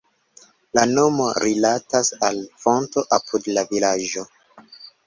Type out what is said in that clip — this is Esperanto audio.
La nomo rilatas al fonto apud la vilaĝo.